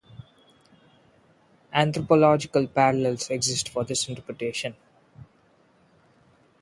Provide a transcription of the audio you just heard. Anthropological parallels exist for this interpretation.